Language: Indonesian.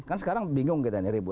kan sekarang bingung kita ini ribut